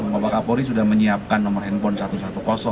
bapak kapolri sudah menyiapkan nomor handphone satu ratus sepuluh